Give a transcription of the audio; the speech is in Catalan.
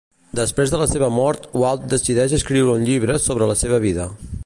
Després de la seva mort, Walt decideix escriure un llibre sobre la seva vida.